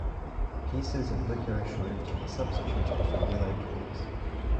Pieces of licorice root are substituted for willow twigs.